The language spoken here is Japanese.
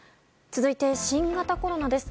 続いて、新型コロナです。